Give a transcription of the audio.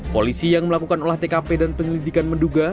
polisi yang melakukan olah tkp dan penyelidikan menduga